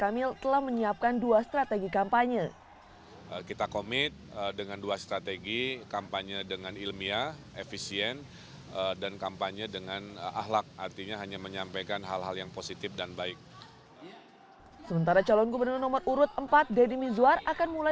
bentuk kembinya sama